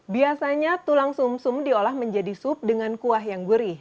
biasanya tulang sum sum diolah menjadi sup dengan kuah yang gurih